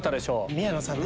宮野さんで。